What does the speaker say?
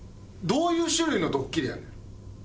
どういう種類のドッキリやねん。